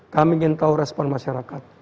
kami ingin tahu respon masyarakat